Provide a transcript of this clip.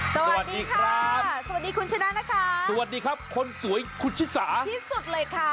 สวัสดีครับสวัสดีคุณชนะนะคะสวัสดีครับคนสวยคุณชิสาที่สุดเลยค่ะ